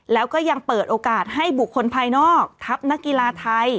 แล้วก็ยังเปิดโอกาสให้บุคคลภายนอกทัพนักกีฬาไทย